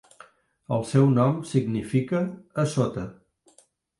El seu nom significa "a sota".